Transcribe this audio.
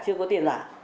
chưa có tiền giả